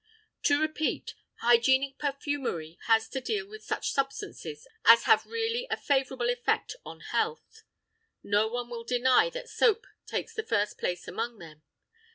To repeat, hygienic perfumery has to deal with such substances as have really a favorable effect on health. No one will deny that soap takes the first place among them.